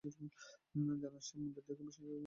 জয়নাল সাহেব মন্দির দেখে বিশেষ উল্লসিত হলেন না।